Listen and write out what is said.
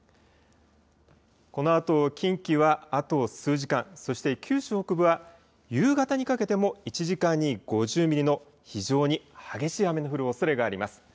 このあと近畿はあと数時間、そして九州北部は夕方にかけても１時間に５０ミリの非常に激しい雨の降るおそれがあります。